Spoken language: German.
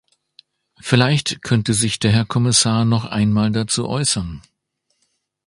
Vielleicht könnte sich der Herr Kommissar noch einmal dazu äußern.